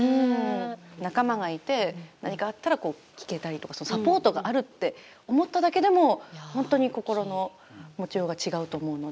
仲間がいて何かあったら聞けたりとかサポートがあるって思っただけでも本当に心の持ちようが違うと思うので。